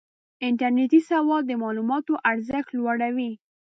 انټرنېټي سواد د معلوماتو ارزښت لوړوي.